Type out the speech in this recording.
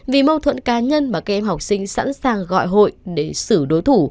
vì mâu thuẫn cá nhân mà các em học sinh sẵn sàng gọi hội để xử đối thủ